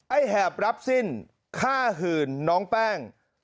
แหบรับสิ้นฆ่าหื่นน้องแป้ง